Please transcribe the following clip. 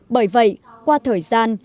bởi vậy qua thời gian